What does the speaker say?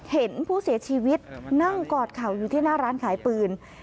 เห็นผู้เสียชีวิตนั่งกอดเข่าอยู่ที่หน้าร้านขายปืน